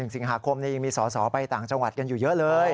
สิงหาคมยังมีสอสอไปต่างจังหวัดกันอยู่เยอะเลย